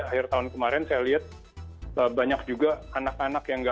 akhir tahun kemarin saya lihat banyak juga anak anak yang